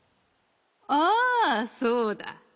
ああそうだ。